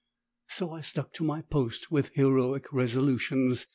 So I stuck to my post with heroic resolutions.